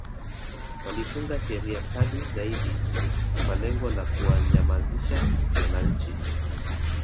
Walitunga Sheria kali zaidi kwa lengo la kuwanyamanzisha wananchi